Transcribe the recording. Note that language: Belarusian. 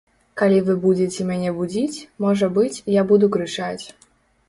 Калі вы будзеце мяне будзіць, можа быць, я буду крычаць.